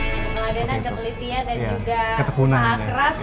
ada yang ada penelitian dan juga usaha keras ketekunan begitu yang bisa menghasilkan